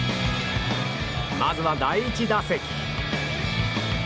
まずは、第１打席。